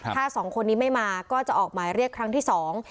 ถ้าสองคนนี้ไม่มาก็จะออกหมายเรียกครั้งที่สอง